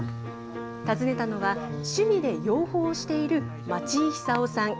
訪ねたのは、趣味で養蜂をしている町井久夫さん。